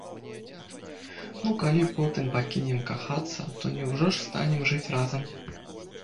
Ну калі потым пакінем кахацца, то няўжо ж станем жыць разам?